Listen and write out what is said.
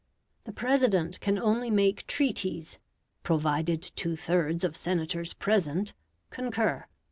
The President can only make treaties, "provided two thirds of Senators present" concur.